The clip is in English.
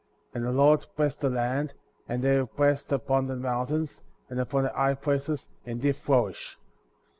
And the Lord blessed the land, and they were blessed upon the mountains, and upon the high places, and did flourish.